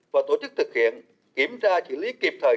và tổ chức thực hiện kiểm tra xử lý kịp thời